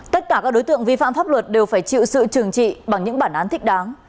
tất cả các đối tượng vi phạm pháp luật đều phải chịu sự trừng trị bằng những bản án thích đáng